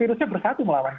virusnya bersatu melawan kita